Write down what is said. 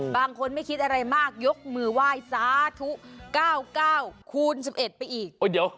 บางคนไม่คิดอะไรมากยกมือไหว้สาธุ๙๙คูณ๑๑ไปอีก